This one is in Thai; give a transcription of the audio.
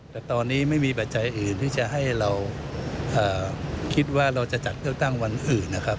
แต่ตอนนี้ไม่มีปัจจัยอื่นที่จะให้เราคิดว่าเราจะจัดเลือกตั้งวันอื่นนะครับ